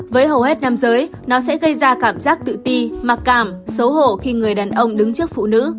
với hầu hết nam giới nó sẽ gây ra cảm giác tự ti mặc cảm xấu hộ khi người đàn ông đứng trước phụ nữ